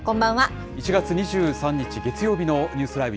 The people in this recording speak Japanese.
１月２３日月曜日のニュースＬＩＶＥ！